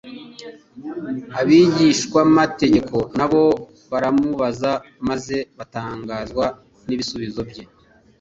abigishamategeko na bo baramubaza maze batangazwa n'ibisubizo bye.